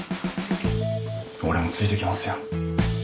俺もついていきますよ。